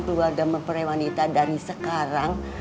keluarga mempelai wanita dari sekarang